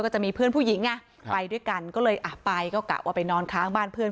จะมีเพื่อนผู้หญิงไงไปด้วยกันก็เลยอ่ะไปก็กะว่าไปนอนค้างบ้านเพื่อน